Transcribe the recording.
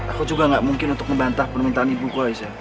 aku juga gak mungkin untuk membantah permintaan ibuku aisyah